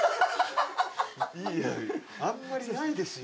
あんまりないですよ。